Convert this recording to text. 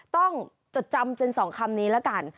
ต้องจดจำเป็น๒คำนี้แล้วกัน